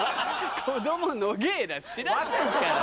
子供ノゲイラ知らないから。